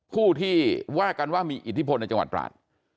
ผู้ที่ว่ากันว่ามีอิทธิพลในจังหวัดตราด